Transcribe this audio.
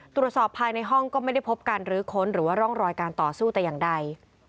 ตรวจสอบภายในห้องก็ไม่ได้พบการรื้อค้นหรือว่าร่องรอยการต่อสู้แต่อย่างใด